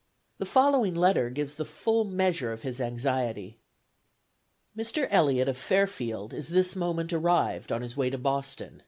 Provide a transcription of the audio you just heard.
The following letter gives the full measure of his anxiety: "Mr. Eliot, of Fairfield, is this moment arrived, on his way to Boston.